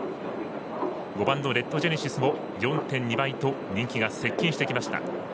５番レッドジェネシスも４．２倍と人気が接近してきました。